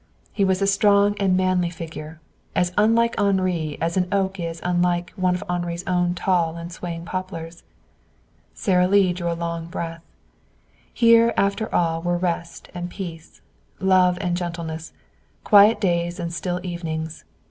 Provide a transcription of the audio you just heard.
He was a strong and manly figure, as unlike Henri as an oak is unlike one of Henri's own tall and swaying poplars. Sara Lee drew a long breath. Here after all were rest and peace; love and gentleness; quiet days and still evenings.